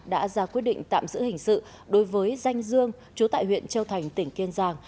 đã ra quyết định tạm giữ hình sự đối với danh dương chú tại huyện châu thành tỉnh kiên giang